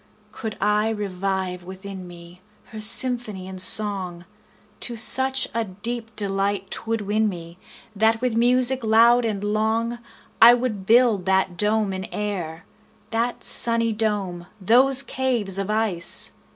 Could I revive within me, Her symphony and song, To such a deep delight 'twould win me, That with music loud and long, 45 I would build that dome in air, That sunny dome! those caves of ice!